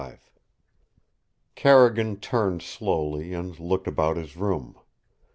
XXV Carrigan turned slowly and looked about his room.